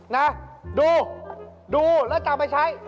นะดูดูแล้วจับไปใช้